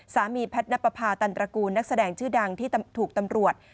แพทย์นับประพาตันตระกูลนักแสดงชื่อดังที่ถูกตำรวจ